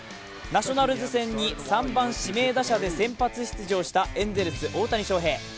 ナショナルズ戦に３番・指名打者で先発出場したエンゼルス・大谷翔平。